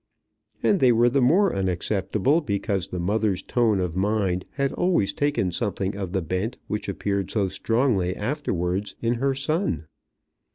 And they were the more unacceptable because the mother's tone of mind had always taken something of the bent which appeared so strongly afterwards in her son.